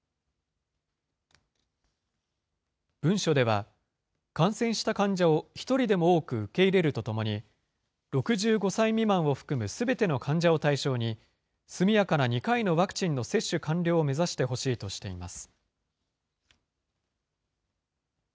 文書では、感染した患者を１人でも多く受け入れるとともに、６５歳未満を含むすべての患者を対象に、速やかな２回のワクチンの接種完了を目指してほしいとしています。